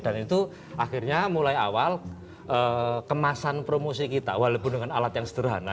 itu akhirnya mulai awal kemasan promosi kita walaupun dengan alat yang sederhana